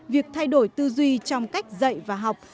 việc thay đổi tư duy trong cách dạy và học